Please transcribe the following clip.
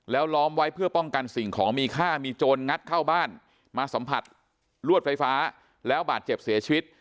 แล้วล้อมไว้เพื่อป้องกันสิ่งของมีค่ามีโจรงัดเข้าบ้านมาสัมผัสลวดไฟฟ้าแล้วบาดเจ็บเสียชีวิต